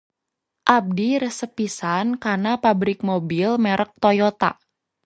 Abdi resep pisan kana pabrik mobil merek Toyota.